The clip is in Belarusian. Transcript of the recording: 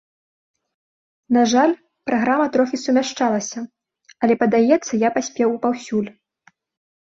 На жаль, праграма трохі сумяшчалася, але, падаецца, я паспеў паўсюль.